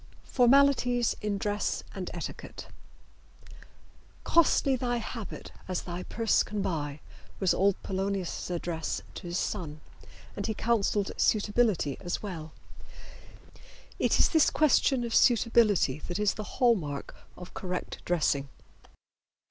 FORMALITIES IN DRESS AND ETIQUETTE. "Costly thy habit as thy purse can buy" was old Polonius' advice to his son, and he counseled suitability as well. It is this question of suitability that is the hall mark of correct dressing.